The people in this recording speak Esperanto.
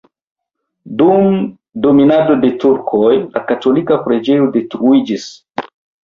Dum dominado de turkoj la katolika preĝejo detruiĝis.